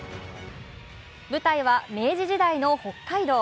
舞台は明治時代の北海道。